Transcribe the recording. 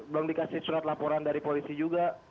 belum dikasih surat laporan dari polisi juga